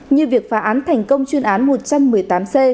như việc phá án thành công chuyên án một trăm một mươi tám c